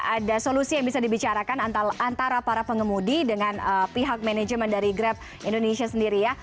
ada solusi yang bisa dibicarakan antara para pengemudi dengan pihak manajemen dari grab indonesia sendiri ya